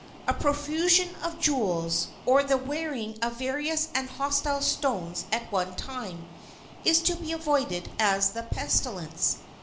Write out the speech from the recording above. A profusion of jewels, or the wearing of various and hostile stones at one time, is to be avoided as the pestilence.